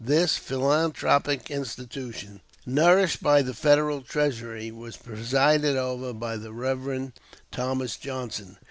This philanthropic institution, nourished by the Federal treasury, was presided over by the Rev. Thomas Johnson.